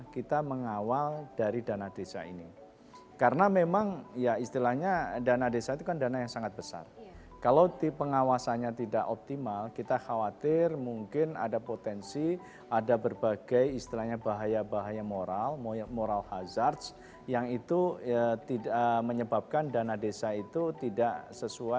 kita dengan sistem keuangan desa itu mereka ke desa desa